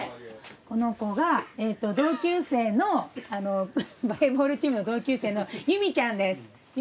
この子が同級生のバレーボールチームの同級生の由美ちゃんです。